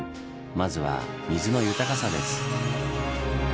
まずは「水の豊かさ」です。